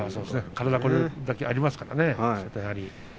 体がこれだけありますからね。